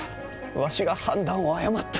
わしが判断を誤った。